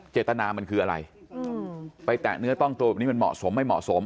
เจตนามันคืออะไรไปแตะเนื้อต้องตัวแบบนี้มันเหมาะสมไม่เหมาะสม